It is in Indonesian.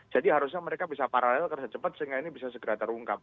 jadi harusnya mereka bisa paralel kerasa cepat sehingga ini bisa segera terungkap